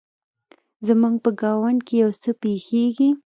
زموږ په ګاونډ کې يو څه پیښیږي